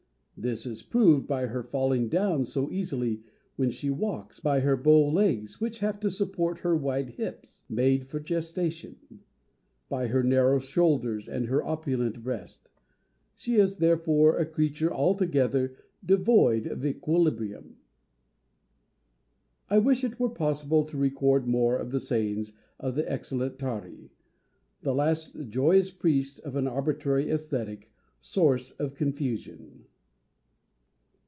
This is proved by her falling down so easily when she walks; by her bow legs, which have to support her wide hips, made for gestation; by her narrow shoulders, and her opulent breast. She is therefore a creature altogether devoid of equilibrium! I wish that it were possible to record more of the sayings of the excellent Tari, "the last joyous priest of an arbitrary Aesthetic, source of confusion."